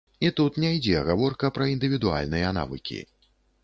І тут не ідзе гаворка пра індывідуальныя навыкі.